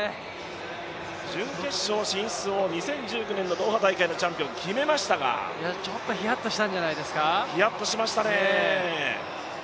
準決勝進出を２０１９年のドーハのチャンピオン決めましたが、ちょっとひやっとしたんじゃないですか。